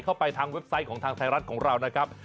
ไปทางเว็บไซต์ของทางไทยรัฐของเรานะครับ